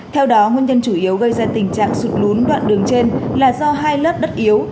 theo đó nguyên nhân chủ yếu gây ra tình trạng sụt lún đoạn đường trên là do hai lớp đất yếu